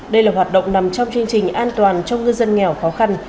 đây là hoạt động nằm trong chương trình an toàn cho ngư dân nghèo khó khăn